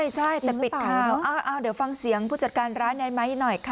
ใช่แต่ปิดข่าวเดี๋ยวฟังเสียงผู้จัดการร้านในไม้หน่อยค่ะ